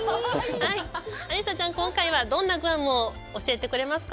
アリサちゃん、今回はどんなグアムを教えてくれますか？